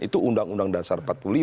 itu undang undang dasar empat puluh lima